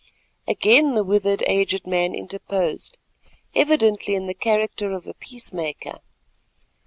Again the withered aged man interposed, evidently in the character of a peacemaker.